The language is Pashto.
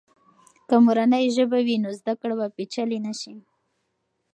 که مورنۍ ژبه وي، نو زده کړه به پیچلې نه سي.